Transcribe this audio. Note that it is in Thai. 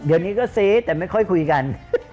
เดี๋ยวนี้ก็ซื้อแต่ไม่ค่อยคุยกัน